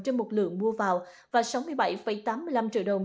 trên một lượng mua vào và sáu mươi bảy tám mươi năm triệu đồng